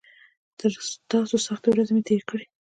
تر تاسو سختې ورځې مې تېرې کړي.